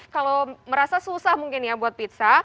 kalau merasa susah mungkin ya buat pizza